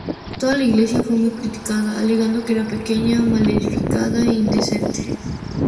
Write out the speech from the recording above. Toda la iglesia fue muy criticada, alegando que era pequeña, mal edificada, indecente...